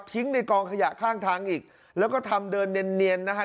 ในกองขยะข้างทางอีกแล้วก็ทำเดินเนียนเนียนนะฮะ